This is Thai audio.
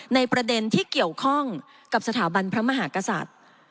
ในประเด็นที่เกี่ยวข้องกับสถาบันพระมหากษัตริย์